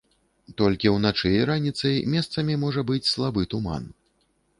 Толькі ўначы і раніцай месцамі можа быць слабы туман.